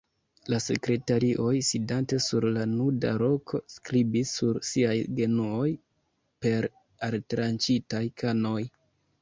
La sekretarioj, sidante sur la nuda roko, skribis sur siaj genuoj per altranĉitaj kanoj.